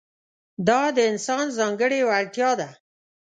دا د انسان ځانګړې وړتیا ده.